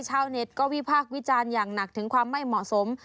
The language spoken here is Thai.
ชาวเน็ตก็วิพากษ์วิจารณ์อย่างหนักถึงความไม่เหมาะสม